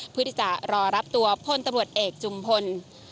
เพื่อที่จะรอรับตัวพลตำรวจเอกจุมพล